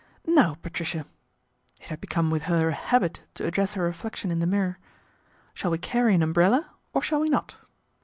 " Now, Patricia !" it had become with her a habit to address her reflection in the mirror " shall we carry an umbrella, or shall we not